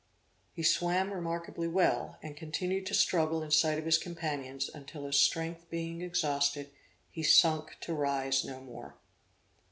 He swam remarkably well, and continued to struggle in sight of his companions, until his strength being exhausted, he sunk to rise no more.